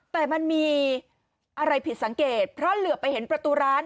แต่มันมีอะไรผิดสังเกตเพราะเหลือไปเห็นประตูร้าน